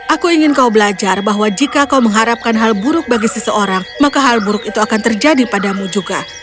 aku ingin kau belajar bahwa jika kau mengharapkan hal buruk bagi seseorang maka hal buruk itu akan terjadi padamu juga